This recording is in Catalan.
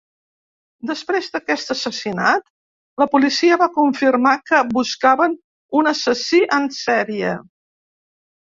Després d'aquest assassinat, la policia va confirmar que buscaven un assassí en sèrie.